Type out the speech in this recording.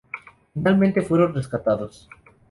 Finalmente fueron rescatados.